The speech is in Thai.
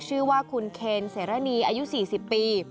ชื่อว่าคุณเคนเสรณีอายุ๔๐ปี